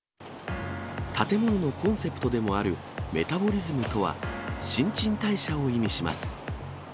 建物のコンセプトでもあるメタボリズムとは、新陳代謝を意味します。